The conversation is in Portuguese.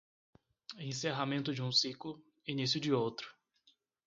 Encerramento de um ciclo, início de outro